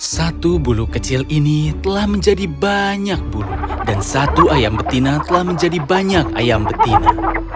satu bulu kecil ini telah menjadi banyak bulu dan satu ayam betina telah menjadi banyak ayam betina